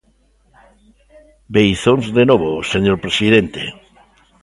Beizóns de novo, señor presidente.